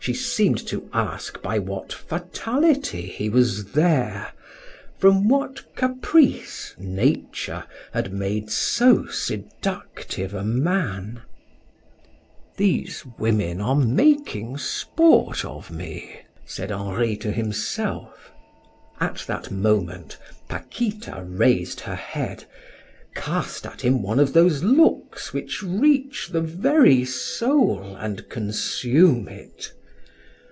She seemed to ask by what fatality he was there, from what caprice Nature had made so seductive a man. "These women are making sport of me," said Henri to himself. At that moment Paquita raised her head, cast at him one of those looks which reach the very soul and consume it.